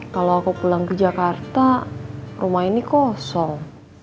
kalau aku pulang ke jakarta rumah ini kosong